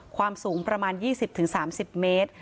ความสูงประมาณ๒๐๓๐เมตร